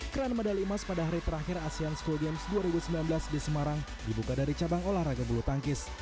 keran medali emas pada hari terakhir asean school games dua ribu sembilan belas di semarang dibuka dari cabang olahraga bulu tangkis